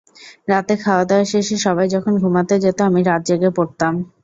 রাতে খাওয়াদাওয়া শেষে সবাই যখন ঘুমাতে যেত, আমি রাত জেগে পড়তাম।